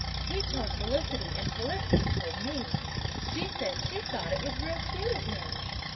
"He told Felicity and Felicity told me. She said she thought it was real cute of him.